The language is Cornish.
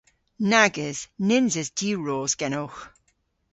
Nag eus. Nyns eus diwros genowgh.